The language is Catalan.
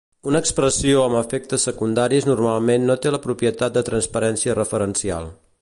Una expressió amb efectes secundaris normalment no té la propietat de transparència referencial.